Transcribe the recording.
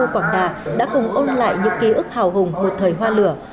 đặc khu quảng đà đã cùng ôn lại những ký ức hào hùng một thời hoa lửa